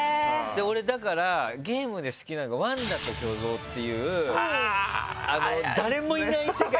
ゲームで好きなのが「ワンダと巨像」っていう誰もいない世界。